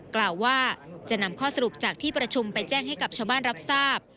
กล่าวว่าจะนำข้อสรุปจากที่ประชุมไปแจ้งให้กับชาวบ้านรับทราบ